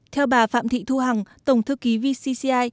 theo bà phạm thị thu hằng tổng thư ký vcci